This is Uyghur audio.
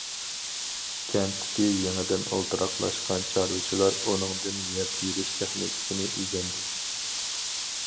كەنتتىكى يېڭىدىن ئولتۇراقلاشقان چارۋىچىلار ئۇنىڭدىن يەر تېرىش تېخنىكىسى ئۆگەندى.